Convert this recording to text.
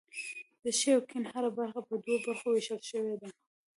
د ښي او کیڼ هره برخه په دوو برخو ویشل شوې ده.